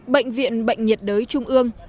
bệnh viện bệnh nhiệt đới trung ương